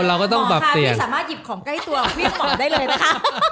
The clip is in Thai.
หมอค่ะไม่สามารถหยิบของใกล้ตัวเวียบหมอได้เลยนะคะ